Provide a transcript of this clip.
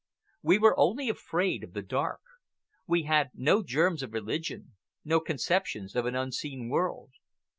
We were afraid only of the dark. We had no germs of religion, no conceptions of an unseen world.